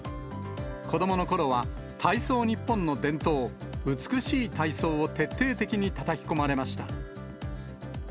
子どものころは、体操ニッポンの伝統、美しい体操を徹底的にたたき込まれました。